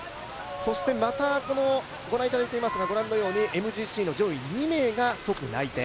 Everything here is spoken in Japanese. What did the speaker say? そしてまた、ご覧いただいていますが、ＭＧＣの上２名が即内定。